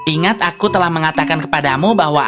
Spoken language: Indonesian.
ingat aku telah mengatakan kepadamu bahwa